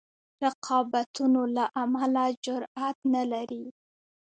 رقابتونو له امله جرأت نه لري.